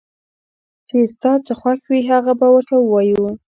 چې ستا څه خوښ وي هغه به ورته ووايو